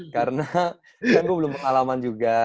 karena kan gue belum pengalaman juga